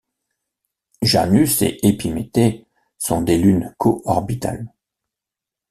Janus et Épiméthée sont des lunes co-orbitales.